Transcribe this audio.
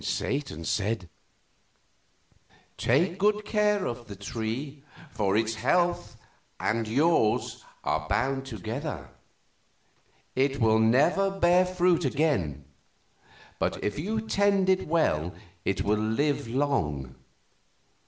Satan said: "Take good care of the tree, for its health and yours are bound together. It will never bear again, but if you tend it well it will live long.